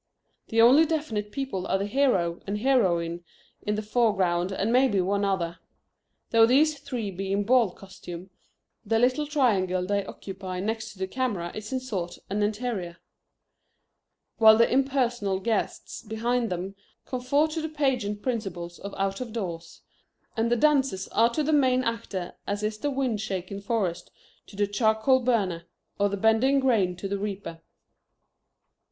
The only definite people are the hero and heroine in the foreground, and maybe one other. Though these three be in ball costume, the little triangle they occupy next to the camera is in sort an interior, while the impersonal guests behind them conform to the pageant principles of out of doors, and the dancers are to the main actor as is the wind shaken forest to the charcoal burner, or the bending grain to the reaper.